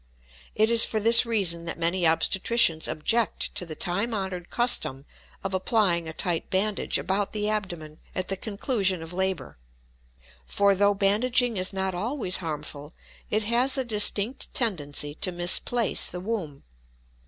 It is for this reason that many obstetricians object to the time honored custom of applying a tight bandage about the abdomen at the conclusion of labor; for, though bandaging is not always harmful, it has a distinct tendency to misplace the womb.